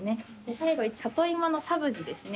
最後サトイモのサブジですね。